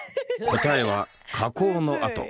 答えは「火口の跡」。